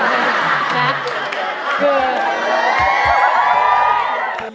เพื่อน